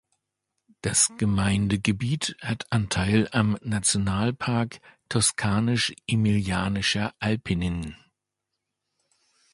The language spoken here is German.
Das Gemeindegebiet hat Anteil am Nationalpark Toskanisch-Emilianischer Apennin.